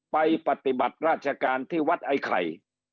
ปฏิบัติราชการที่วัดไอ้ไข่